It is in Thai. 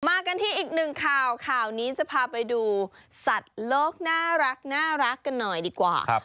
มากันที่อีกหนึ่งข่าวข่าวนี้จะพาไปดูสัตว์โลกน่ารักกันหน่อยดีกว่า